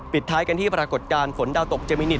ท้ายกันที่ปรากฏการณ์ฝนดาวตกเจมินิต